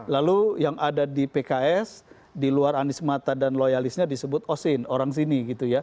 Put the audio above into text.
lalu yang ada di pks di luar anies mata dan loyalisnya disebut osin orang sini gitu ya